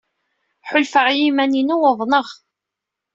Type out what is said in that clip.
Ḥulfaɣ i yiman-inu uḍneɣ.